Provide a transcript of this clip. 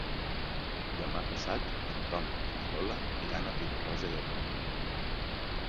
Demà passat en Tom i na Lola iran a Riba-roja d'Ebre.